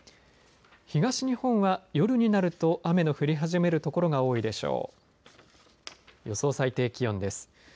東日本は夜になると雨の降り始める所が多いでしょう。